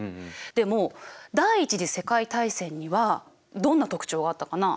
でも第一次世界大戦にはどんな特徴があったかな？